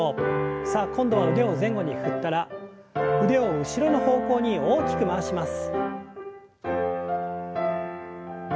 さあ今度は腕を前後に振ったら腕を後ろの方向に大きく回します。